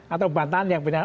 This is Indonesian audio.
atau bantahan yang benar